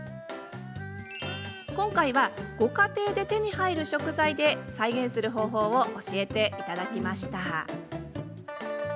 今回は、ご家庭で手に入る食材で再現する方法を教えていただきました。